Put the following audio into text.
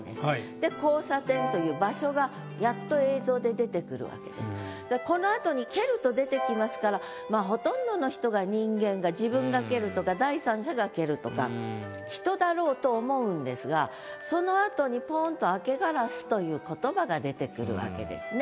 で「交差点」というこのあとに「蹴る」と出てきますからまあほとんどの人が人間が自分が蹴るとか第三者が蹴るとか人だろうと思うんですがそのあとにポンと「明け烏」という言葉が出てくるわけですね。